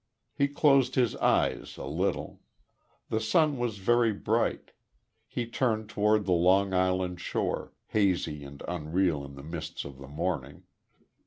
He closed his eyes, a little. The sun was very bright.... He turned toward the Long Island shore, hazy and unreal in the mists of the morning....